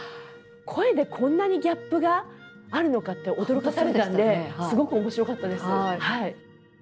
声でこんなにギャップがあるのかって驚かされたんですごく面白かったです。